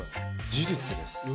事実です。